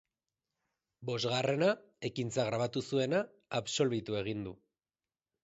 Bosgarrena, ekintza grabatu zuena, absolbitu egin du.